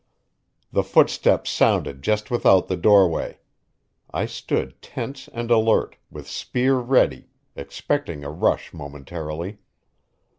The footsteps sounded just without the doorway; I stood tense and alert, with spear ready, expecting a rush momentarily.